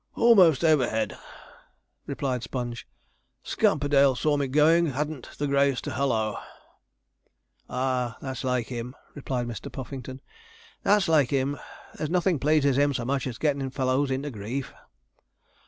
'Almost over head,' replied Sponge. 'Scamperdale saw me going, and hadn't the grace to halloa.' 'Ah, that's like him,' replied Mr. Puffington, 'that's like him: there's nothing pleases him so much as getting fellows into grief.'